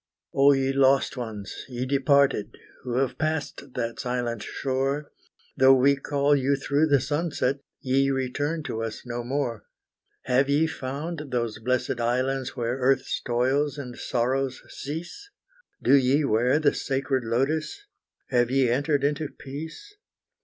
Oh ye lost ones, ye departed, who have passed that silent shore, Though we call you through the sunset, ye return to us no more. Have ye found those blessed islands where earth's toils and sorrows cease? Do ye wear the sacred lotus, have ye entered into peace?